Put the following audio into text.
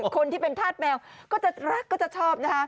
คนที่เป็นธาตุแมวก็จะรักก็จะชอบนะคะ